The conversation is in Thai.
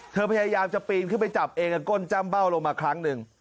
พยายามจะปีนขึ้นไปจับเองกับก้นจ้ำเบ้าลงมาครั้งหนึ่ง